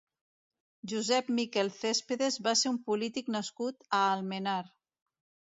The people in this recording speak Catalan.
Josep Miquel Céspedes va ser un polític nascut a Almenar.